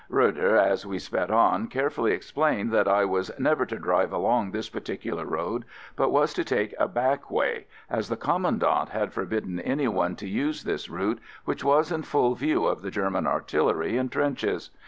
Roeder, as we sped on, carefully explained that I was never to drive along this particular road, but was to take a back way, as the Commandant had for bidden any one to use this route which was in full view of the German artillery and trenches.